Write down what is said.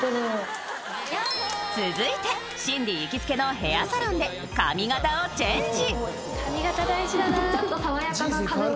［続いてシンディ行きつけのヘアサロンで髪形をチェンジ］